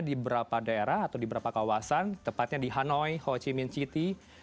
di beberapa daerah atau di beberapa kawasan tepatnya di hanoi ho chi minh city